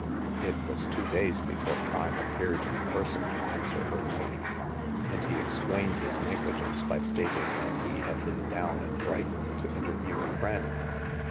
It was two days before Prime appeared in person to answer her note ; and he explained his negligence by stating that he had been down at Brighton to interview a friend.